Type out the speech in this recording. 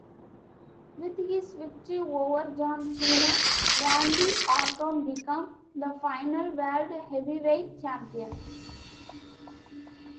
With his victory over John Cena, Randy Orton became the final World Heavyweight Champion.